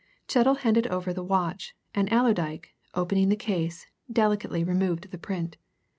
Chettle handed over the watch, and Allerdyke, opening the case, delicately removed the print.